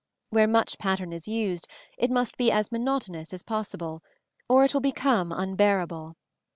Where much pattern is used, it must be as monotonous as possible, or it will become unbearable.